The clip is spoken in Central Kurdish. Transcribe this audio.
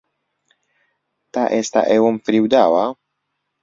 تا ئێستا ئێوەم فریوداوە؟